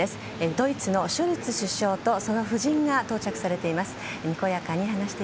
ドイツのショルツ首相とその夫人が到着されています。